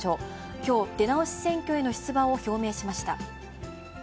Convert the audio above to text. きょう、出直し選挙への出馬を表明しました。